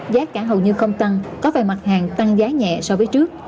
giá cả hầu như không tăng có vài mặt hàng tăng giá nhẹ so với trước